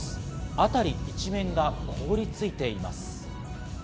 辺り一面が凍りついています。